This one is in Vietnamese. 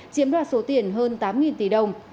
chiếm đoạt số tiền hơn tám tỷ đồng